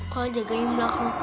kalau jagain belakang